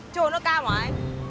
chua nó cam hả anh